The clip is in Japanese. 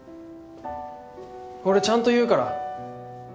俺ちゃんと言うから。